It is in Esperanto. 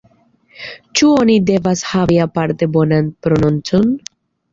Ĉu oni devas havi aparte bonan prononcon?